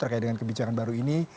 terkait dengan kebijakan baru ini